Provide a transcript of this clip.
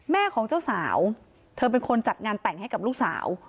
ของเจ้าสาวเธอเป็นคนจัดงานแต่งให้กับลูกสาว